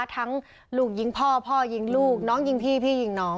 ลูกยิงพ่อพ่อยิงลูกน้องยิงพี่พี่ยิงน้อง